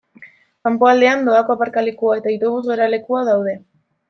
Kanpoaldean doako aparkalekua eta autobus geralekua daude.